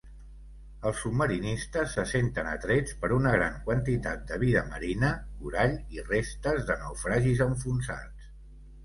Els submarinistes se senten atrets per una gran quantitat de vida marina, corall i restes de naufragis enfonsats.